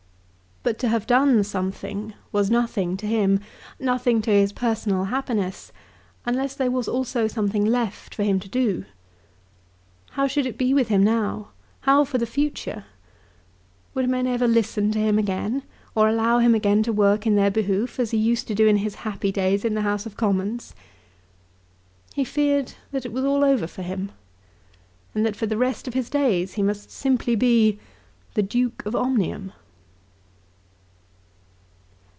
But to have done something was nothing to him, nothing to his personal happiness, unless there was also something left for him to do. How should it be with him now, how for the future? Would men ever listen to him again, or allow him again to work in their behoof, as he used to do in his happy days in the House of Commons? He feared that it was all over for him, and that for the rest of his days he must simply be the Duke of Omnium.